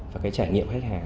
và cái trải nghiệm khách hàng